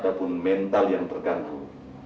ataupun mental yang terganggu